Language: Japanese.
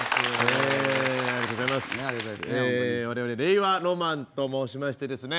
え我々令和ロマンと申しましてですね